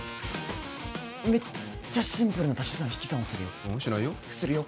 めっちゃシンプルな足し算引き算をするよううんしないよするよ